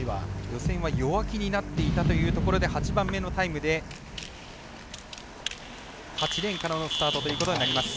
予選は弱気になっていたというところで８番目のタイムで８レーンからのスタートということになります。